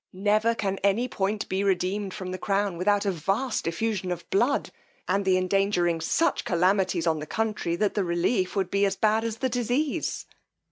Never can any point be redeemed from the crown without a vast effusion of blood, and the endangering such calamities on the country, that the relief would be as bad as the disease.